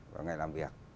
vào ngày làm việc